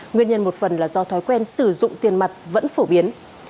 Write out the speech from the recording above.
nguyên nhân một phần là do thói quen sử dụng tiền mặt vẫn phổ biến